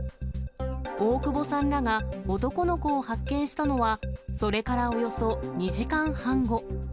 大窪さんらが男の子を発見したのは、それからおよそ２時間半後。